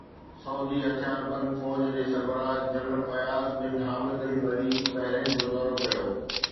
سعودي هٿياربند فوج جي سربراهه جنرل فياض بن حامد الولي بحرين جو دورو ڪيو